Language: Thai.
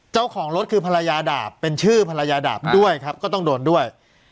เจ้าของรถคือภรรยาดาบเป็นชื่อภรรยาดาบด้วยครับก็ต้องโดนด้วย